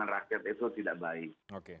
rakyat itu tidak baik